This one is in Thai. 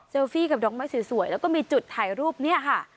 หรือกับจุดถ่ายรูปเนี่ยค่ะ